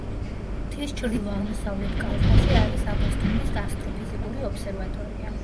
მთის ჩრდილო-აღმოსავლეთ კალთაზე არის აბასთუმნის ასტროფიზიკური ობსერვატორია.